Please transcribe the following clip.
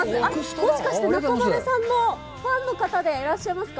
もしかして中丸さんのファンの方でいらっしゃいますか？